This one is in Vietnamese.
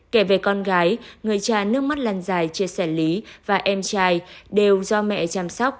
kể về con gái người cha nước mắt lần dài chia sẻ lý và em trai đều do mẹ chăm sóc